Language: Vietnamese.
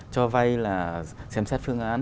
cho vay là xem xét phương án